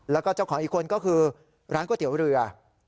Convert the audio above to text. แล้วก็เจ้าของอีกคนก็คือร้านก๋วยเตี๋ยวเรือ